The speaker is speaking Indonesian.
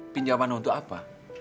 pinjaman untuk apa